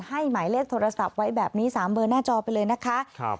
หมายเลขโทรศัพท์ไว้แบบนี้๓เบอร์หน้าจอไปเลยนะคะ